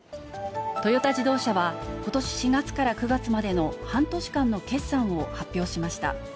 トヨタ自動車は、ことし４月から９月までの半年間の決算を発表しました。